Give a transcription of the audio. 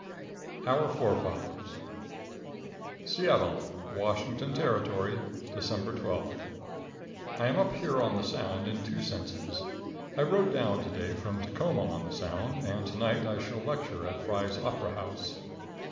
Our Forefathers. Seattle, W.T., December 12. I am up here on the Sound in two senses. I rode down to day from Tacoma on the Sound, and to night I shall lecture at Frye's Opera House.